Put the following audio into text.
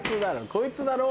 こいつだろ？